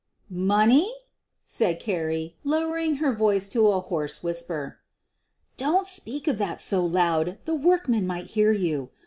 "Money?" said Carrie, lowering her voice to a hoarse whisper. "Don't speak of that so loud — the workmen might hear you.